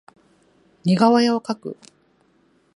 似顔絵を描く